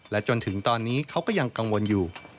จนถึงตอนนี้เขาก็ยังกังวลอยู่